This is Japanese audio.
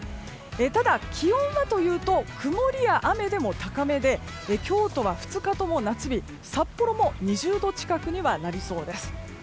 ただ、気温は曇りや雨でも高めで京都は２日とも夏日札幌も２０度近くにはなりそうです。